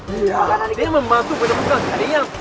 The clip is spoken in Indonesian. terbukti semuanya jadi kongsi